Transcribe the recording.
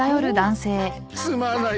すまない。